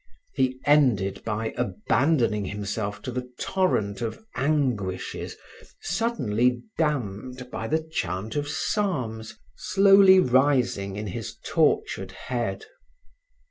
He ended by abandoning himself to the torrent of anguishes suddenly dammed by the chant of psalms slowly rising in his tortured head.